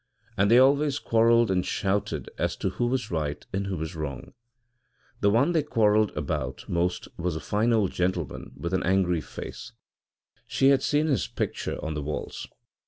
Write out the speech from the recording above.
And they always quarrelled and shouted as to who was right and who was wrong. The one they quarrelled about most was a fine old gentleman with an angry face she had seen his picture on the walls.